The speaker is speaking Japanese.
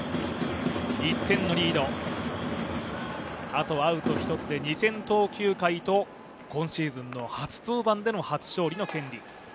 あとアウト１つで２０００投球回と今シーズンの初登板での初勝利の権利。